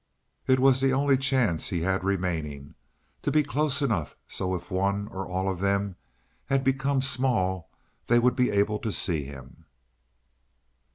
It was the only chance he had remaining to be close enough so if one, or all of them, had become small, they would be able to see him.